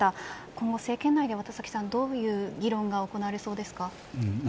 今後政権内でどのような議論が行われそうですか。